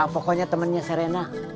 pokoknya temennya serena